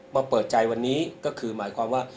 มาเปิดใจวันนี้ก็คือหมายความว่า